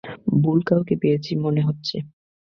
ভুল কাউকে পেয়েছি মনে হচ্ছে।